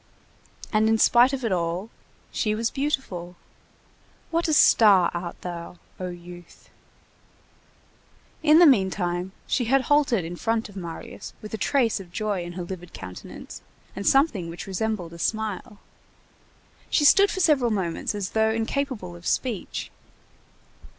And in spite of it all, she was beautiful. What a star art thou, O youth! In the meantime, she had halted in front of Marius with a trace of joy in her livid countenance, and something which resembled a smile. She stood for several moments as though incapable of speech.